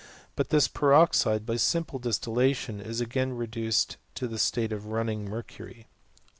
But this peroxide, by simple distillation, is again reduced into the state of running mercury.